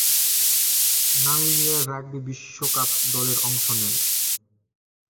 নামিবিয়ার rugby বিশ্বকাপ দলের অংশ নেন।